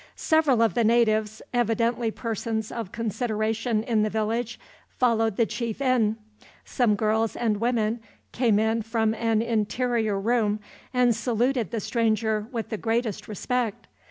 Several of the natives, evidently persons of consideration in the village, followed the chief in. Some girls and women came in from an interior room, and saluted the stranger with the greatest respect.